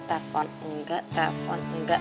telfon enggak telfon enggak